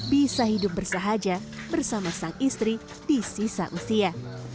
bisa hidup bersahaja bersama sang istri di sisa usia